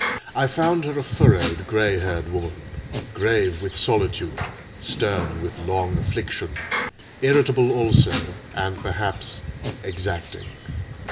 I found her a furrowed, grey haired woman, grave with solitude, stern with long affliction, irritable also, and perhaps exacting.